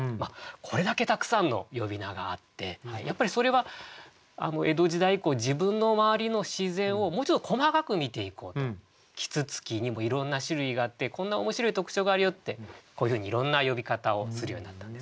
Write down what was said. これだけたくさんの呼び名があってやっぱりそれは江戸時代以降自分の周りの自然をもうちょっと細かく見ていこうと啄木鳥にもいろんな種類があってこんな面白い特徴があるよってこういうふうにいろんな呼び方をするようになったんですね。